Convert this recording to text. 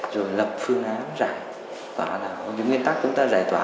rồi lập phương án rải tỏa là những nguyên tắc chúng ta giải tỏa